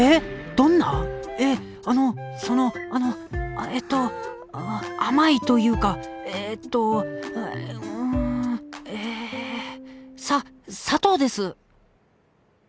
どんなえっあのそのあのあえっと甘いというかえっとうんえさ砂糖です！